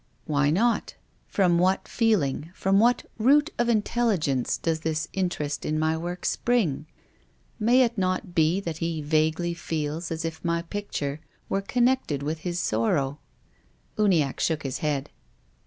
'* Why not ? From what feeling, from what root of intelligence does his interest in my work spring ? May it not be that he vaguely feels as if my picture were connected with his sorrow ?" Uniacke shook his head.